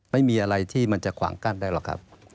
ไม่มีอะไรที่มันจะขวางกั้นได้หรอกครับ